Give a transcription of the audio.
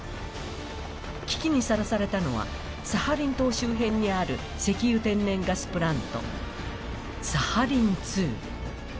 危機にさらされたのは、サハリン島周辺にある石油・天然ガスプラント、サハリン２。